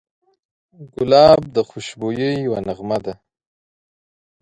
ګلاب د خوشبویۍ یوه نغمه ده.